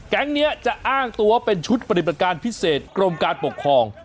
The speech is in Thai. แก๊งนี้จะอ้างตัวเป็นชุดปฏิบัติการพิเศษกรมการปกครอง